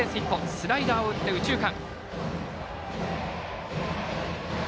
スライダーを打って右中間。